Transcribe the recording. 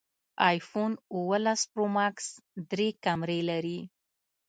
ایفون اوولس پرو ماکس درې کمرې لري